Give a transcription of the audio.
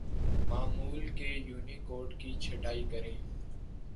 معمول کے یونیکوڈ کی چھٹائی کریں